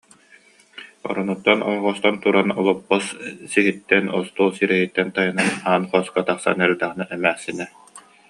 Оронуттан орҕостон туран олоппос сиһиттэн, остуол сирэйиттэн тайанан аан хоско тахсан эрдэҕинэ эмээхсинэ: